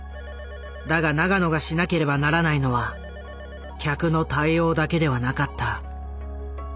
だが永野がしなければならないのは客の対応だけではなかった。